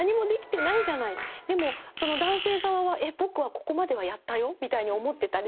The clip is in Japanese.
でも男性側はえっ僕はここまではやったよみたいに思ってたりする。